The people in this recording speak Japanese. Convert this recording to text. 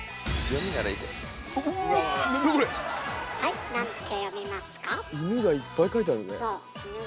「犬」がいっぱい書いてあるね。